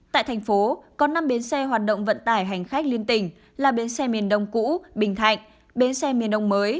tại thành phố có năm bến xe hoạt động vận tải hành khách liên tỉnh là bến xe miền đông cũ bình thạnh bến xe miền đông mới